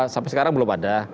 sampai sekarang belum ada